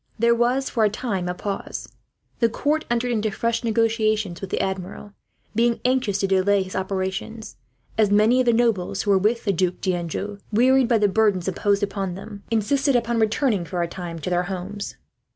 There was, for a time, a pause. The court entered into fresh negotiations with the Admiral, being anxious to delay his operations; as many of the nobles who were with the Duc D'Anjou, wearied by the burdens imposed upon them, insisted upon returning for a time to their homes.